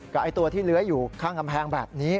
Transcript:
ไอ้ตัวที่เลื้อยอยู่ข้างกำแพงแบบนี้